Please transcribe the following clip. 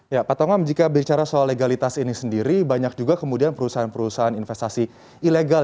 ya pak tongam jika bicara soal legalitas ini sendiri banyak juga kemudian perusahaan perusahaan investasi ilegal